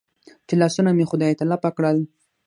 چې لاسونه مې خدای ته لپه کړل.